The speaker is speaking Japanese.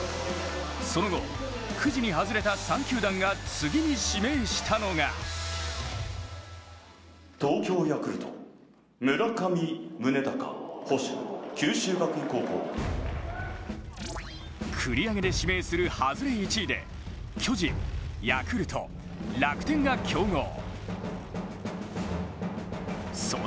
その後、くじに外れた３球団が次に指名したのが繰り上げで指名する外れ１位で巨人、ヤクルト、楽天が競合。